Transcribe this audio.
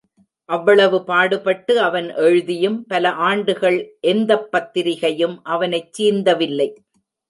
அவ்வளவு பாடுபட்டு அவன் எழுதியும் பல ஆண்டுகள் எந்தப் பத்திரிகையும் அவனைச் சீந்தவில்லை.